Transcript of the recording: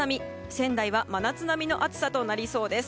仙台は真夏並みの暑さとなりそうです。